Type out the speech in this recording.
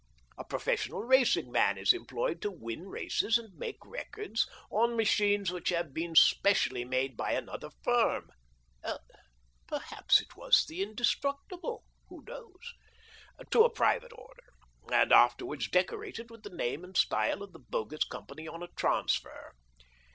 A professional racing man is employed to win races and make records, on machines which have been specially made by another firm (perhaps it was the 'Indestructible,' who knows?) to a private order, and afterwards decorated with the name and style of the bogus company on a transfer.